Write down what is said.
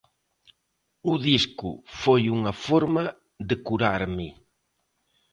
O disco foi unha forma de curarme.